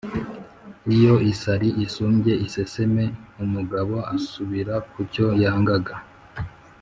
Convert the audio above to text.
Iyo isari isumbye iseseme, umugabo asubira ku cyo yangaga.